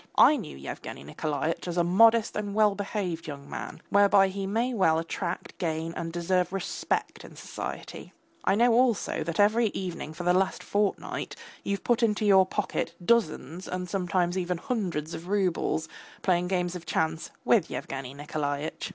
I knew Yevgeny Nikolaitch as a modest and well behaved young man, whereby he may well attract, gain and deserve respect in society. I know also that every evening for the last fortnight you've put into your pocket dozens and sometimes even hundreds of roubles, playing games of chance with Yevgeny Nikolaitch.